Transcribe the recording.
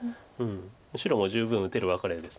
白も十分打てるワカレです。